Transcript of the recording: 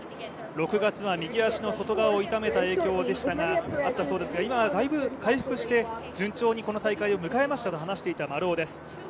６月は右足の外側を痛めた影響があったそうですが今は大分回復して、順調にこの大会を迎えましたと話していた丸尾です。